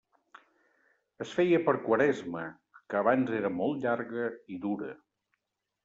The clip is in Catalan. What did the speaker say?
Es feia per Quaresma, que abans era molt llarga i dura.